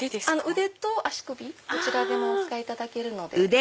腕と足首どちらでもお使いいただけるので。